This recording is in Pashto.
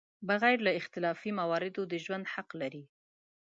بغیر له اختلافي مواردو د ژوند حق لري.